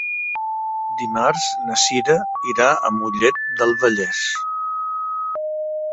Dimarts na Cira irà a Mollet del Vallès.